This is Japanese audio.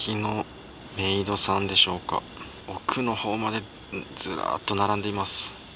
奥のほうまで、ずらっと並んでいます。